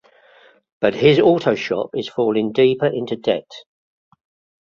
But his auto shop is falling deeper into debt.